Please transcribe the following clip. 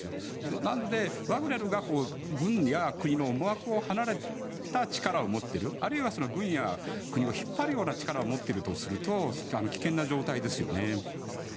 なので、ワグネルが軍や国の思惑を離れた力を持っているあるいは軍や国を引っ張るような力を持っているとすると危険な状態ですよね。